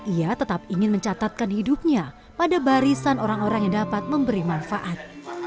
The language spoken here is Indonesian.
ia tetap ingin mencatatkan hidupnya pada barisan orang orang yang dapat memberi manfaat